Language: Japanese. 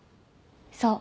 そう。